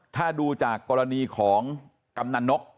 ถ้าดูจากกรณีของกำนันนก